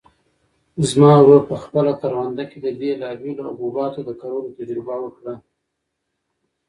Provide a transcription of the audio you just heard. زما ورور په خپله کرونده کې د بېلابېلو حبوباتو د کرلو تجربه وکړه.